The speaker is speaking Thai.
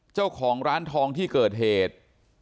เจ้าของร้านทองที่เกิดเหตุ